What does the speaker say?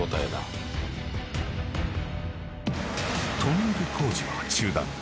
［トンネル工事は中断］